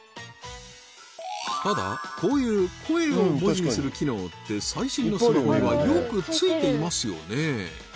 ただこういう声を文字にする機能って最新のスマホにはよく付いていますよね